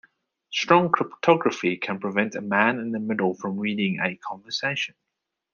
Strong cryptography can prevent a man in the middle from reading a conversation.